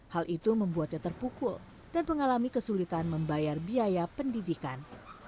hal itu membuatnya terpukul dan mengalami kesulitan membayar biaya pendidikan